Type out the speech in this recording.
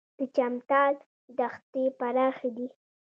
د چمتال دښتې پراخې دي